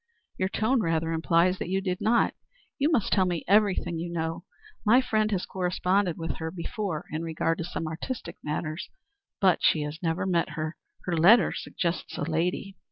"Your tone rather implies that you did not. You must tell me everything you know. My friend has corresponded with her before in regard to some artistic matters, but she has never met her. Her letter suggests a lady."